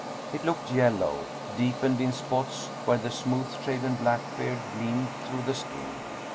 It looked yellow, deepened in spots where the smooth shaven black beard gleamed through the skin.